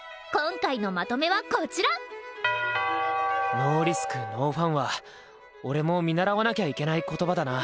ノーリスクノーファンは俺も見習わなきゃいけない言葉だな！